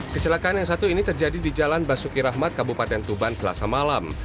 kecelakaan yang satu ini terjadi di jalan basuki rahmat kabupaten tuban selasa malam